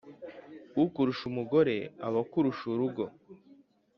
Ukurusha umugore aba akurusha urugo